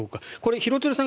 廣津留さん